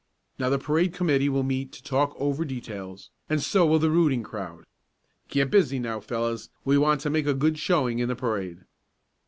Now the parade committee will meet to talk over details, and so will the rooting crowd. Get busy now, fellows; we want to make a good showing in the parade."